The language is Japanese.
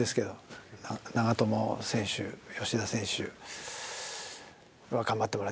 長友選手吉田選手は。